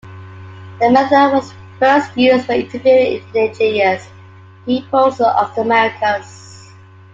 The method was first used when interviewing indigenous peoples of the Americas.